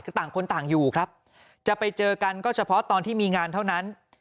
คือต่างคนต่างอยู่ครับจะไปเจอกันก็เฉพาะตอนที่มีงานเท่านั้น